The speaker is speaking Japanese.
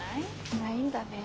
ないんだねえ。